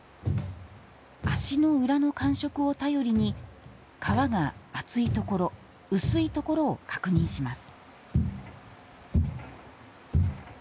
足の裏の感触を頼りに革が厚いところ、薄いところを確認します。